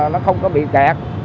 nó không có bị kẹt